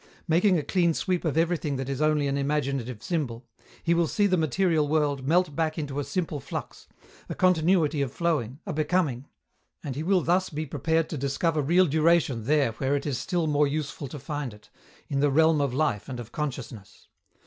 Making a clean sweep of everything that is only an imaginative symbol, he will see the material world melt back into a simple flux, a continuity of flowing, a becoming. And he will thus be prepared to discover real duration there where it is still more useful to find it, in the realm of life and of consciousness.